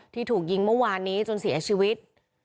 ที่ถูกยิงเมื่อวานนี้จนเสียชีวิต